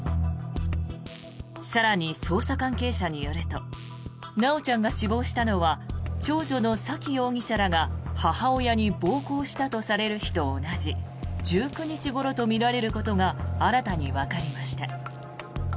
更に、捜査関係者によると修ちゃんが死亡したのは長女の沙喜容疑者らが母親に暴行したとされる日と同じ１９日ごろとみられることが新たにわかりました。